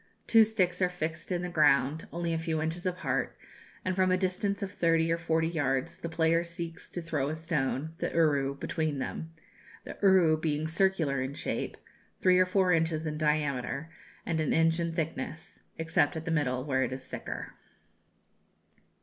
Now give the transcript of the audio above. Two sticks are fixed in the ground, only a few inches apart, and from a distance of thirty or forty yards the player seeks to throw a stone the uru between them; the uru being circular in shape, three or four inches in diameter, and an inch in thickness, except at the middle, where it is thicker.